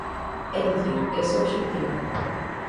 É dicir, ese é o obxectivo.